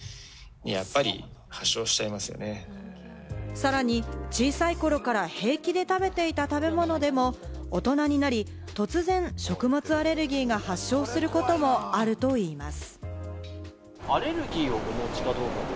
さらに小さい頃から平気で食べていた食べ物でも大人になり突然、食物アレルギーが発症することもあるといいます。